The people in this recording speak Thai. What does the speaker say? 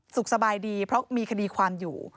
สุขสบายดีเพราะมีคดีความอยู่